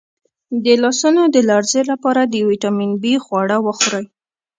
د لاسونو د لرزې لپاره د ویټامین بي خواړه وخورئ